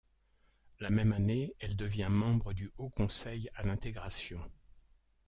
La même année, elle devient membre du Haut Conseil à l'intégration.